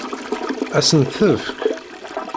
Ad sen-tt-tefk?